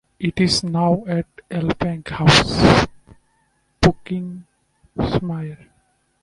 It is now at Elibank House, Buckinghamshire.